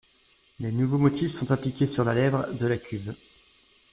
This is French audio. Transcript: Les nouveaux motifs sont appliqués sur la lèvre de la cuve.